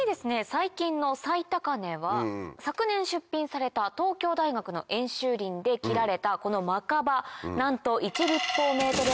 最近の最高値は昨年出品された東京大学の演習林で切られたこのマカバなんと。